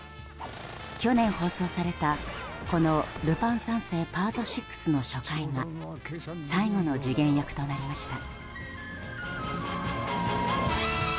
去年、放送された、この「ルパン三世ＰＡＲＴ６」の初回が最後の次元役となりました。